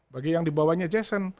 bagi yang di bawahnya jason